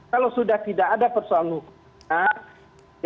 kalau sudah tidak ada persoalan hukumnya